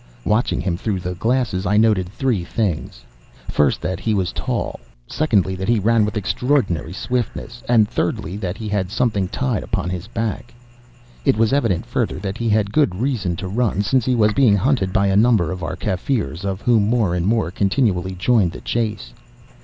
"Watching him through the glasses I noted three things: First, that he was tall; secondly, that he ran with extraordinary swiftness; and, thirdly, that he had something tied upon his back. It was evident, further, that he had good reason to run, since he was being hunted by a number of our Kaffirs, of whom more and more continually joined the chase.